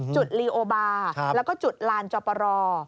ลีโอบาร์แล้วก็จุดลานจอปร